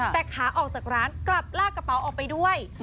แต่ขาออกจากร้านกลับลากกระเป๋าออกไปด้วย